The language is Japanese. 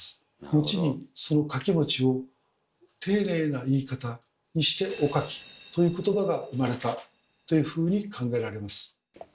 後にその「かきもち」を丁寧な言い方にして「おかき」という言葉が生まれたというふうに考えられます。